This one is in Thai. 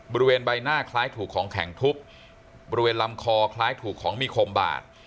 บริเวณใบหน้าคล้ายถูกของแข็งทุบบริเวณลำคอคล้ายถูกของมีคมบาด